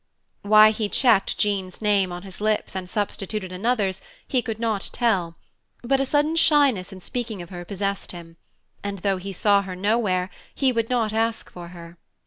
Why he checked Jean's name on his lips and substituted another's, he could not tell; but a sudden shyness in speaking of her possessed him, and though he saw her nowhere, he would not ask for her.